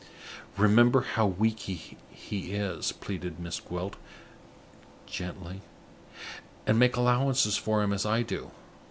"Remember how weak he is," pleaded Miss Gwilt, gently, "and make allowances for him as I do.